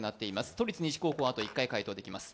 都立西高校、あと１回解答できます。